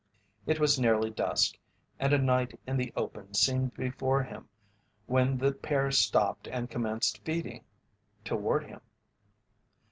It was nearly dusk, and a night in the open seemed before him when the pair stopped and commenced feeding toward him.